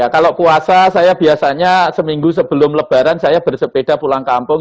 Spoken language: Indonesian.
kalau puasa saya biasanya seminggu sebelum lebaran saya bersepeda pulang kampung